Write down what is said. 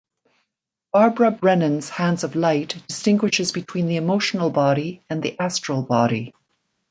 Barbara Brennan's "Hands of Light" distinguishes between the emotional body and the astral body.